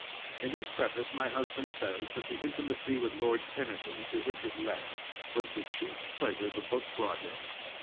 In his preface my husband says that the intimacy with Lord Tennyson to which it led was the chief pleasure the book brought him.